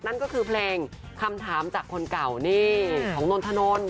นั่นก็คือเพลงคำถามจากคนเก่านี่ของนนทนนท์